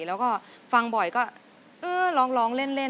แล้วก็ฟังบ่อยก็เออร้องเล่น